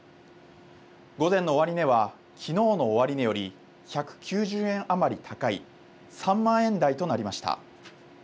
午前の終値はきのうの終値より１９０円余り高い３万円台となりました。